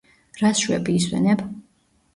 რას შვები, ისვენებ?